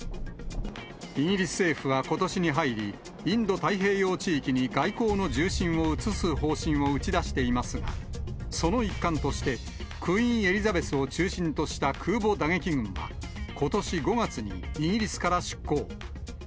イギリス政府はことしに入り、インド太平洋地域に外交の重心を移す方針を打ち出していますが、その一環として、クイーン・エリザベスを中心とした空母打撃群は、ことし５月に、イギリスから出港。